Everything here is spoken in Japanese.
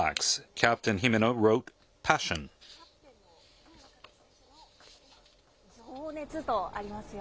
キャプテンの姫野和樹選手の絵馬、情熱とありますよ。